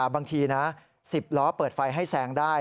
บางทีนะ๑๐ล้อเปิดไฟให้แซงได้